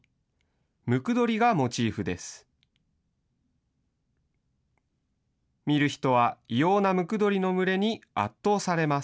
ムクドリがモチーフです。